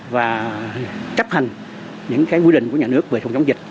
và chấp hành những quy định của nhà nước về phòng chống dịch